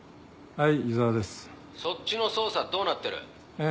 はい？